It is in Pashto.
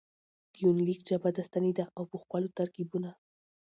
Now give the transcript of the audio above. د يونليک ژبه داستاني ده او په ښکلو ترکيبونه.